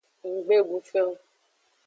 Nggbe du fen o.